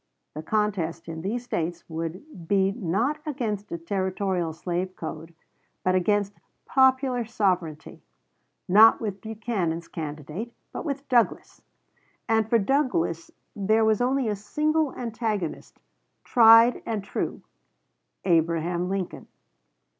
The contest in these States would be not against a Territorial slave code, but against "popular sovereignty "; not with Buchanan's candidate, but with Douglas; and for Douglas there was only a single antagonist, tried and true Abraham Lincoln.